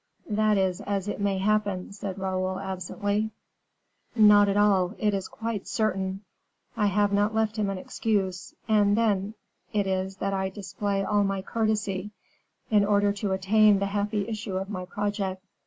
"That is as it may happen," said Raoul, absently. "Not at all, it is quite certain. I have not left him an excuse; and then it is that I display all my courtesy, in order to attain the happy issue of my project.